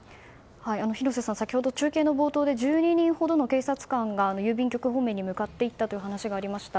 広瀬さん、先ほど中継の冒頭で１２人ほどの警察官が郵便局方面に向かって行ったという話がありました。